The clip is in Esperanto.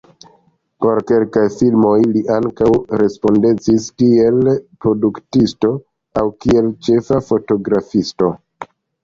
Por kelkaj filmoj li ankaŭ respondecis kiel produktisto aŭ kiel ĉefa fotografisto.